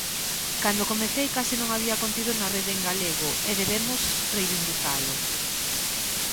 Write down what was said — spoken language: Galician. Cando comecei case non había contido na rede en galego e debemos reivindicalo.